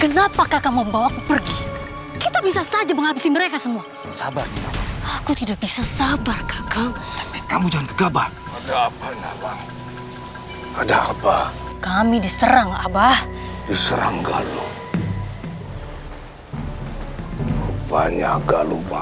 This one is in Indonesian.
sampai jumpa di video selanjutnya